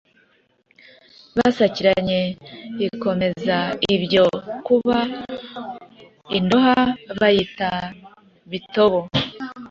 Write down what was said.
basakiranye ikomeza ibyo kuba indoha bayita bitobo.